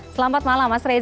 selamat malam mas reza